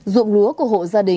dụng lúa của hộ gia đình